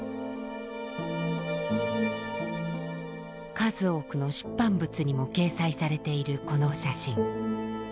数多くの出版物にも掲載されているこの写真。